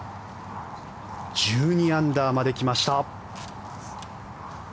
１２アンダーまで来ました。